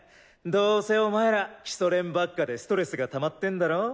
どうせお前ら基礎練ばっかでストレスが溜まってんだろ？